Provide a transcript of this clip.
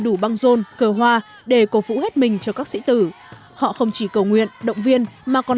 đủ băng rôn cờ hoa để cổ vũ hết mình cho các sĩ tử họ không chỉ cầu nguyện động viên mà còn